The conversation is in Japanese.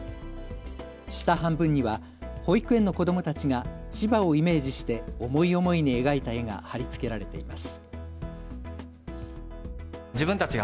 下半分には保育園の子どもたちが千葉をイメージして思い思いに描いた絵が貼り付けられています。